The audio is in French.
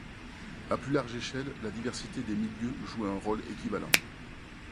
À plus large échelle, la diversité des milieux joue un rôle équivalent.